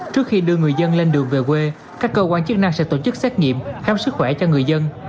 trước khi đưa người dân lên đường về quê các cơ quan chức năng sẽ tổ chức xét nghiệm khám sức khỏe cho người dân